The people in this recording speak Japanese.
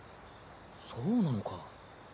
そうなのか。